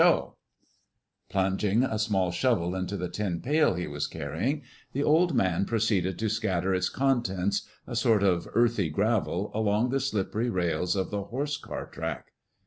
'" Plunging a small shovel into the tin pail he was carrying, the old man proceeded to scatter its contents, a sort of earthy gravel, along the slippery rails of the horse car track.